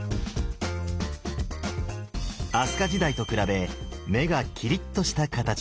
飛鳥時代と比べ目がキリッとした形に。